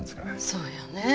そうよねえ。